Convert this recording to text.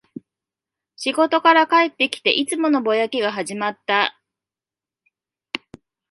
仕事から帰ってきて、いつものぼやきが始まった